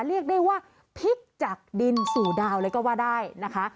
เรียกได้ว่าพลิกจากดินสู่ดาวเลยก็ว่าได้นะคะ